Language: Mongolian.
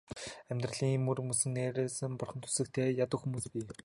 Амьдралын мөр хөөсөн нээрээ ч бурханд сүсэгтэй ядуу хүмүүс бий.